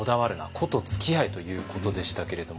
“個”とつきあえ」ということでしたけども。